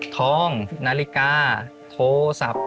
ท้องนาฬิกาโทรสับ